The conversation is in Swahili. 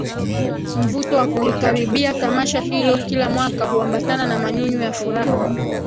Mvuto wa kulikaribia Tamasha Hilo kila mwaka huambatana na manyunyu ya furaha